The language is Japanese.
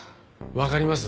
わかります。